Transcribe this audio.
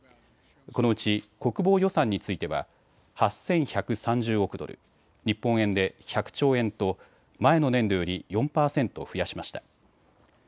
このうち国防予算については８１３０億ドル、日本円で１００兆円と前の年度より４％増やしました。